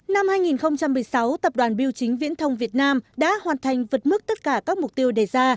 năm hai nghìn một mươi sáu tập đoàn biêu chính viễn thông việt nam đã hoàn thành vượt mức tất cả các mục tiêu đề ra